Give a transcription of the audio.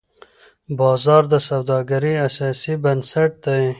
بازار د سوداګرۍ اساسي بنسټ دی.